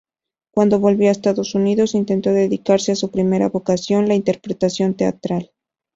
Cuando volvió a Estados Unidos intentó dedicarse a su primera vocación, la interpretación teatral.